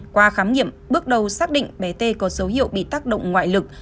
qua khám nghiệm bước đầu xác định bé t có dấu hiệu bị tác động ngoại lực